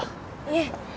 いえ